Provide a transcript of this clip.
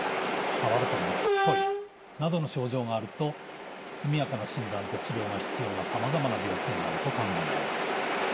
触ると熱っぽいなどの症状があると速やかな診断と治療が必要なさまざまな病気があると考えられます。